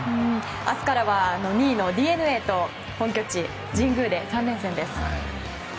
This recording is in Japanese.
明日からは２位のＤｅＮＡと本拠地・神宮で３連戦です。